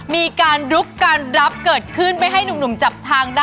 มีการดุ๊กการรับเกิดขึ้นไม่ให้หนุ่มจับทางได้